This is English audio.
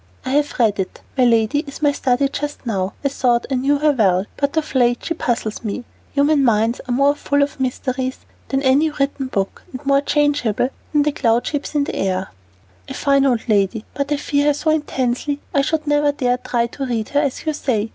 "I have read it. My lady is my study just now. I thought I knew her well, but of late she puzzles me. Human minds are more full of mysteries than any written book and more changeable than the cloud shapes in the air." "A fine old lady, but I fear her so intensely I should never dare to try to read her, as you say."